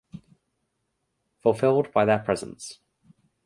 Fulfilled by their presence.